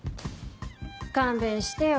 勘弁してよ